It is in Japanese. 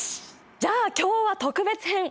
じゃあ今日は特別編！